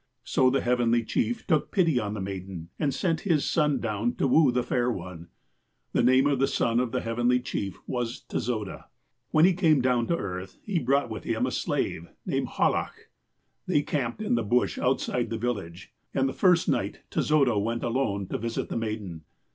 So the Heavenly Chief took pity on the maiden, and sent his son down to woo the fair one. "The name of the son of the Heavenly Chief was Tezoda. When he came down to earth, he brought with him a slave, named Hallach. They camj)ed in the bush outside the village, and the first night Tezoda went alone to visit the maiden.